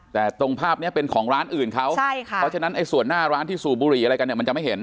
แต่ตรงภาพนี้เป็นของร้านอื่นเขาใช่ค่ะเพราะฉะนั้นไอ้ส่วนหน้าร้านที่สูบบุหรี่อะไรกันเนี่ยมันจะไม่เห็น